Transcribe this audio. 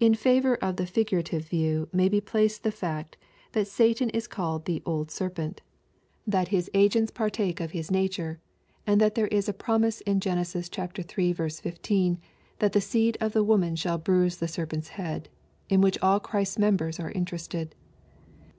In favor of the figurative view, may be placed the fact^ that Satan is called the *^ old serpent^" LUKE, CHAP. X. 863 tliat his agents partake of his nature, and that there is a promise in Genesis iiL 15, that '^ the seed of the wombn shall bruise the serpent's head/' in which all Christ's members are interested.